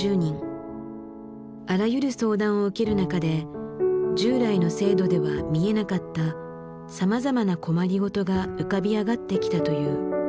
あらゆる相談を受ける中で従来の制度では見えなかったさまざまな困りごとが浮かび上がってきたという。